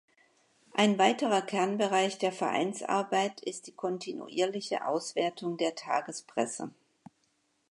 Ein weiterer Kernbereich der Vereinsarbeit ist die kontinuierliche Auswertung der Tagespresse.